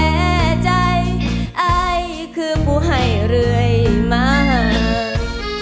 ในใจอ้ายคือผู้ให้เรื่อยมาก